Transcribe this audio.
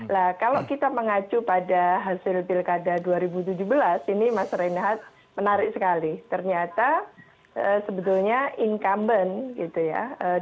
nah kalau kita mengacu pada hasil pilkada dua ribu tujuh belas ini mas reinhardt menarik sekali ternyata sebetulnya incumbent gitu ya